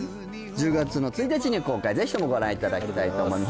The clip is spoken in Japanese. １０月の１日に公開ぜひともご覧いただきたいと思います